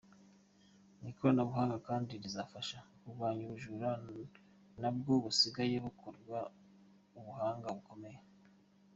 Iri koranabuhanga kandi rizafasha mu kurwanya ubujura nabwo busigaye bukoranwa ubuhanga bukomeye.